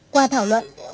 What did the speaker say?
qua thảo luận